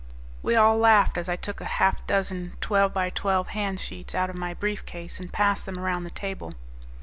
We all laughed as I took half a dozen twelve by twelve hand sheets out of my briefcase and passed them around the table.